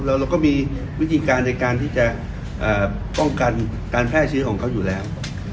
เราก็มีวิธีการในการที่จะป้องกันการแพร่เชื้อของเขาอยู่แล้ว